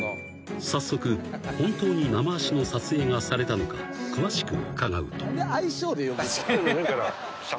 ［早速本当に生足の撮影がされたのか詳しく伺うと］